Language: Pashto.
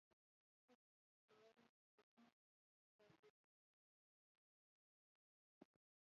سخت ناروغان روغتونونو ته د الوتکې په واسطه وړل کیږي